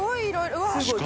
うわっすごい！